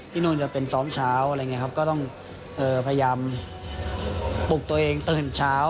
โน่นจะเป็นซ้อมเช้าอะไรอย่างนี้ครับก็ต้องพยายามปลุกตัวเองตื่นเช้า